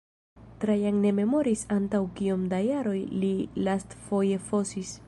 Trajan ne memoris antaŭ kiom da jaroj li lastfoje fosis.